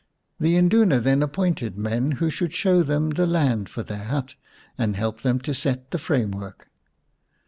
The Induna then appointed men who should show them the land for their hut and help them to set the framework.